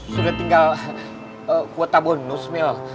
sudah tinggal kuota bonus mil